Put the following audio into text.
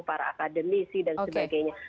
para akademisi dan sebagainya